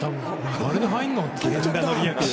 あれで入るの？って。